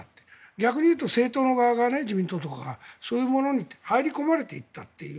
逆に言うと政党の側自民党とかがそういうものに入り込まれていったという。